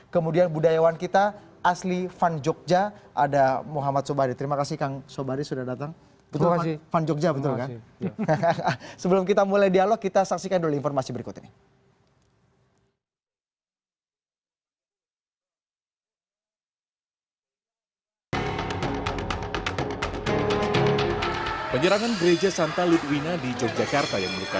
kemudian budayawan kita asli van jogja ada muhammad sobari terima kasih kang sobari sudah datang